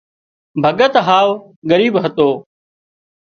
ڀڳت هاوَ ڳريٻ هتو